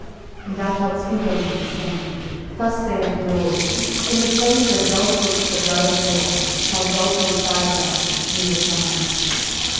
And thou shalt speak unto him, saying, Thus saith the LORD, In the place where dogs licked the blood of Naboth shall dogs lick thy blood, even thine.